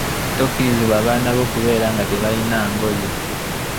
Tokiriza baana bo kubeera nga tebalina ngoye.